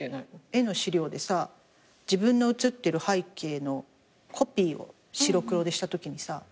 絵の資料でさ自分の写ってる背景のコピーを白黒でしたときにさ